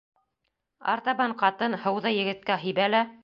Артабан ҡатын һыуҙы егеткә һибә лә: